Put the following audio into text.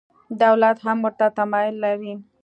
دولت هم ورته تمایل لري.